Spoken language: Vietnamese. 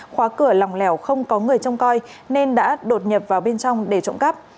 khóa cửa lòng lẻo không có người trông coi nên đã đột nhập vào bên trong để trộm cắp